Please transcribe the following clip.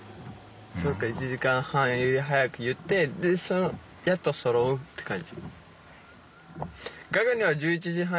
それか１時間半より早く言ってでやっとそろうって感じ。